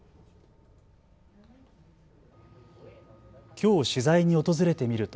きょう取材に訪れてみると。